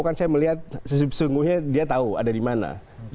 kan saya melihat sesungguhnya dia tahu ada di mana